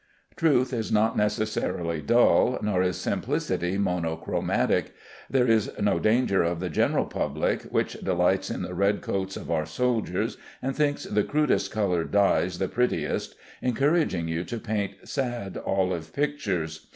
Truth is not necessarily dull, nor is simplicity monochromatic. There is no danger of the general public, which delights in the red coats of our soldiers, and thinks the crudest colored dyes the prettiest, encouraging you to paint sad olive pictures.